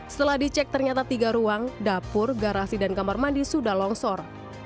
setelah dicek ternyata tiga ruang dapur garasi dan kamar mandi sudah longsor